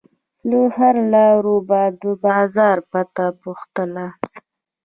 له هر لاروي به د بازار پته پوښتله.